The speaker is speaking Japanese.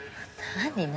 何？